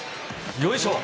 よいしょ！